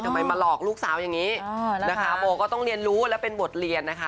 มาหลอกลูกสาวอย่างนี้นะคะโบก็ต้องเรียนรู้และเป็นบทเรียนนะคะ